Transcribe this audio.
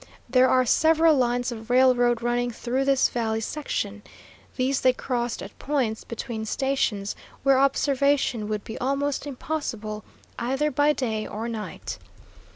There are several lines of railroad running through this valley section. These they crossed at points between stations, where observation would be almost impossible either by day or night.